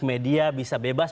media bisa bebas